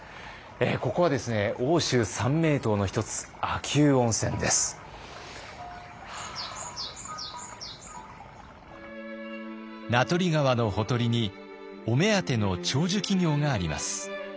ここはですね名取川のほとりにお目当ての長寿企業があります。